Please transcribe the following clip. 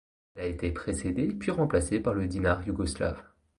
Elle a été précédée puis remplacée par le dinar yougoslave.